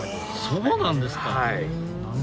そうなんですか。